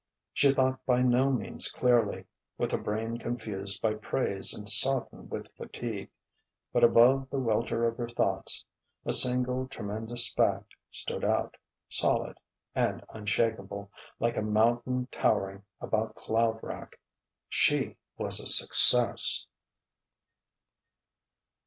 She thought by no means clearly, with a brain confused by praise and sodden with fatigue; but above the welter of her thoughts, a single tremendous fact stood out, solid and unshakable, like a mountain towering about cloud wrack: She was a Success.